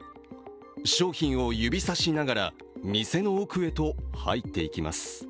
商品を指さしながら、店の奥へと入っていきます。